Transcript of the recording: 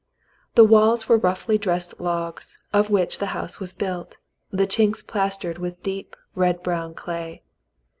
The walls were the roughly dressed logs of which the house was built, the chinks plastered with deep red brown clay.